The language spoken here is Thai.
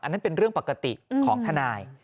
นั่นเป็นเรื่องปกติของทนาย